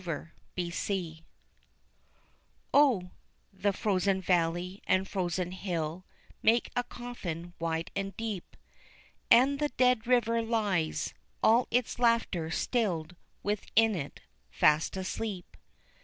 ] Spring O, the frozen valley and frozen hill make a coffin wide and deep, And the dead river lies, all its laughter stilled within it, fast asleep.